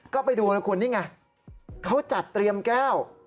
ก็ไปดูนะคุณนี่ไงเขาจัดเตรียมแก้ว